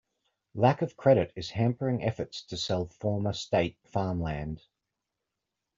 Lack of credit is hampering efforts to sell former state farmland.